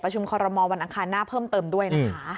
คอรมอลวันอังคารหน้าเพิ่มเติมด้วยนะคะ